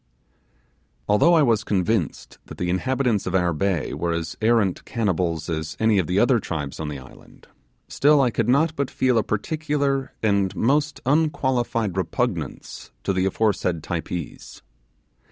Although I was convinced that the inhabitants of our bay were as arrant cannibals as any of the other tribes on the island, still I could not but feel a particular and most unqualified repugnance to the aforesaid Typees.